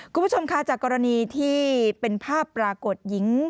คุณผู้ชมคะจากกรณีที่เป็นภาพปรากฏหญิง